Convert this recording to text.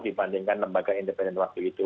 dibandingkan lembaga independen waktu itu